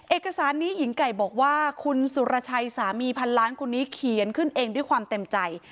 เอกสารนี้หญิงไก่บอกว่าคุณสุรชัยสามีพันล้านคนนี้เขียนขึ้นเองด้วยความเต็มใจ